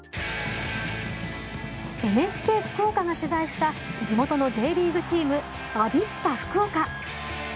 ＮＨＫ福岡が取材した地元のＪリーグチームアビスパ福岡。